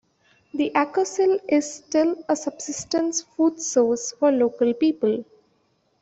The "acocil" is still a subsistence food source for local people.